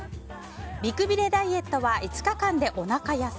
美くびれダイエットは５日間でおなか痩せ。